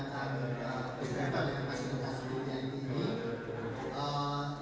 bereskripal dengan pasifitas dunia ini